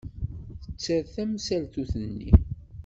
Tter tamsaltut-nni.